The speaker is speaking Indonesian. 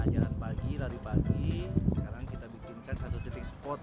jalan pagi lari pagi sekarang kita bikinkan satu titik spot